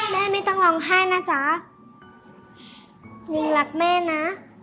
แม่ไม่ต้องร้องไห้นะจ๊ะนิงรักแม่นะ